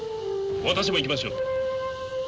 私も行きましょう。